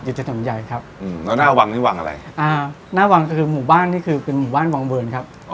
กิจกรรมใหญ่ครับอืมแล้วหน้าวังนี่วังอะไรอ่าหน้าวังก็คือหมู่บ้านนี่คือเป็นหมู่บ้านวังเบิร์นครับ